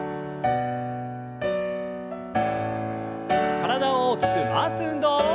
体を大きく回す運動。